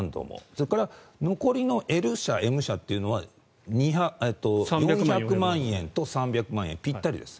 それから残りのＬ社、Ｍ社は４００万円と３００万円ぴったりです。